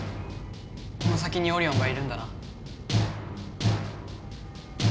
この先にオリオンがいるんだな！